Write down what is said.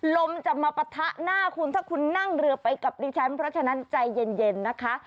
ลมจะมาปะทะหน้าคุณถ้าคุณนั่งเรือไปกับดิฉันเพราะฉะนั้นใจเย็นนะคะ